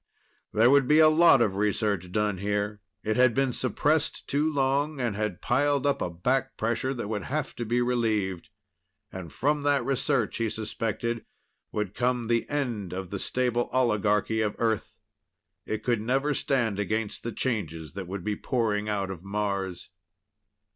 There would be a lot of research done here. It had been suppressed too long, and had piled up a back pressure that would have to be relieved. And from that research, he suspected, would come the end of the stable oligarchy of Earth. It could never stand against the changes that would be pouring out of Mars.